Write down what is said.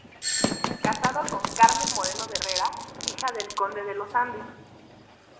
Casado con Carmen Moreno de Herrera, hija del Conde de los Andes.